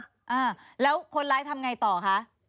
อ่าแล้วคนร้ายทำไงต่อคะ